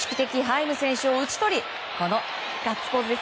ハイム選手を打ち取りこのガッツポーズ。